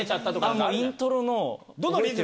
もうイントロの。